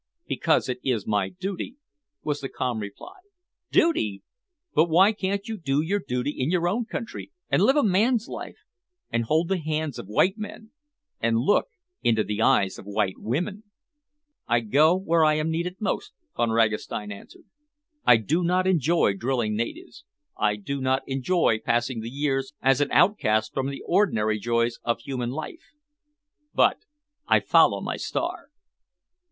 "Because it is my duty," was the calm reply. "Duty! But why can't you do your duty in your own country, and live a man's life, and hold the hands of white men, and look into the eyes of white women?" "I go where I am needed most," Von Ragastein answered. "I do not enjoy drilling natives, I do not enjoy passing the years as an outcast from the ordinary joys of human life. But I follow my star."